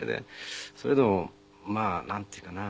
それでもまあなんていうかな。